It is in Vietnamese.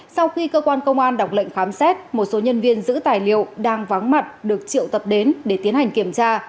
sau khi cơ quan công an đọc lệnh khám xét một số nhân viên giữ tài liệu đang vắng mặt được triệu tập đến để tiến hành kiểm tra